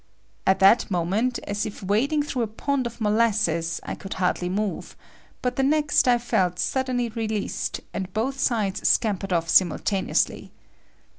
At that moment, as if wading through a pond of molasses, I could hardly move, but the next I felt suddenly released and both sides scampered off simultaneously.